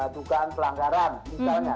dugaan pelanggaran misalnya